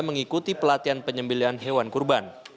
mengikuti pelatihan penyembelian hewan kurban